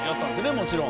もちろん」